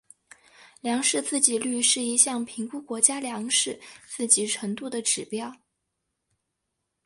粮食自给率是一项评估国家粮食自给程度的指标。